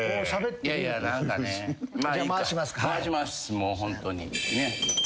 もうホントに。